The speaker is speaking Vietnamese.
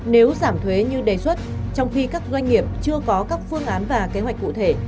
nếu giảm thuế như đề xuất trong khi các doanh nghiệp chưa có các phương án và kế hoạch cụ thể